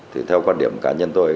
thì theo quan điểm cá nhân tôi